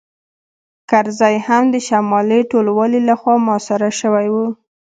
کرزی هم د شمالي ټلوالې لخوا محاصره شوی و